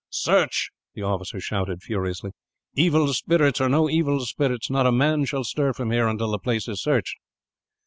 "Search!" the officer shouted, furiously. "Evil spirits or no evil spirits, not a man shall stir from here, until the place is searched."